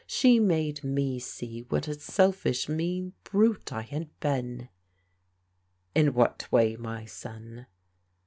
She made me see what a selfish, mean brute I had been/' " In what way, my son